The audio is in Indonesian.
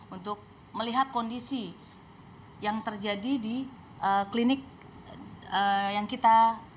untuk melihat kondisi yang terjadi di klinik yang kita